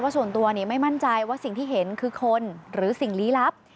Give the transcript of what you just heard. ส่วนตัวไม่มั่นใจว่าสิ่งที่เห็นคือคนหรือสิ่งลี้ลับ